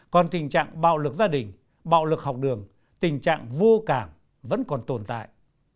còn tình trạng bạo lực gia đình bạo lực học đường tình trạng vô cảm vẫn còn tồn tại